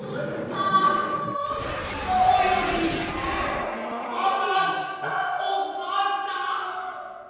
今日よりしてわが北の方。